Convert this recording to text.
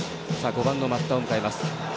５番の松田を迎えます。